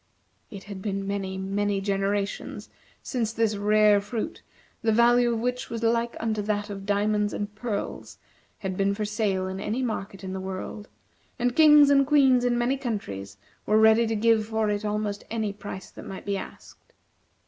It had been many, many generations since this rare fruit, the value of which was like unto that of diamonds and pearls, had been for sale in any market in the world; and kings and queens in many countries were ready to give for it almost any price that might be asked.